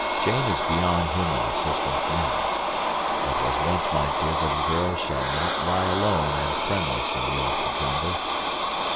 Jane is beyond human assistance now. What was once my dear little girl shall not lie alone and friendless in the awful jungle.